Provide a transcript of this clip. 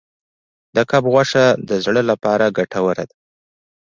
د کب غوښه د زړه لپاره ګټوره ده.